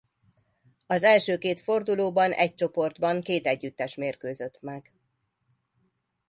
Az első két fordulóban egy csoportban két együttes mérkőzött meg.